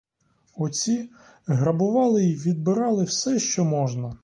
Оці грабували й відбирали все, що можна.